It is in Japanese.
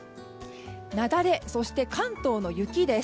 雪崩、そして関東の雪です。